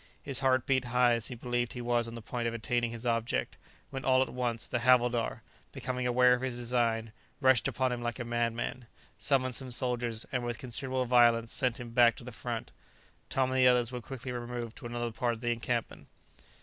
His heart beat high as he believed he was on the point of attaining his object, when all at once the havildar, becoming aware of his design, rushed upon him like a madman, summoned some soldiers, and with considerable violence sent him back to the front. Tom and the others were quickly removed to another part of the encampment.